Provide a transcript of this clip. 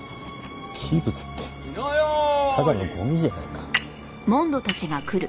器物ってただのゴミじゃないか。